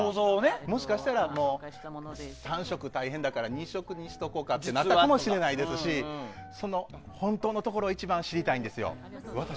もしかしたら３色大変だから２色にしておこうかってなったのかもしれないですし本当のところを一番知りたいんですよ。